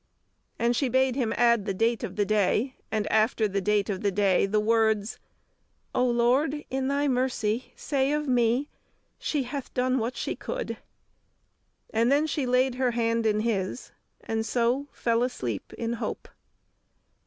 '" And she bade him add the date of the day, and after the date of the day, the words, "O Lord, in Thy mercy say of me She hath done what she could!" And then she laid her hand in his, and so fell asleep in hope.